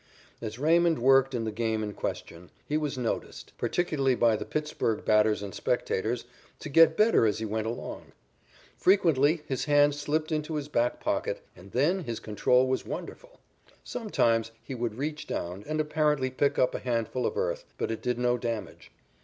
As Raymond worked in the game in question, he was noticed, particularly by the Pittsburg batters and spectators, to get better as he went along. Frequently, his hand slipped into his back pocket, and then his control was wonderful. Sometimes, he would reach down and apparently pick up a handful of earth, but it did no damage.